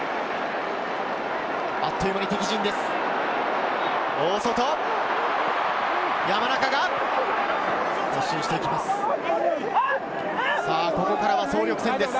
あっという間に敵陣です。